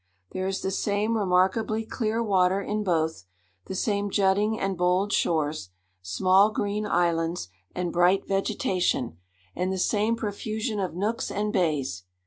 There is the same remarkably clear water in both,—the same jutting and bold shores, small green islands, and bright vegetation; and the same profusion of nooks and bays.